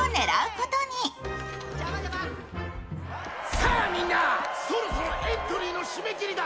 さあ、みんなそろそろエントリーの締め切りだ。